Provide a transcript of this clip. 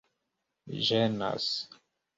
ĝenas